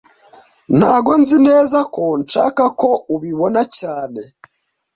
Ntago nzi neza ko nshaka ko ubibona cyane